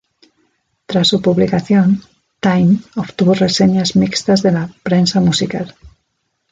Tras su publicación, "Time" obtuvo reseñas mixtas de la prensa musical.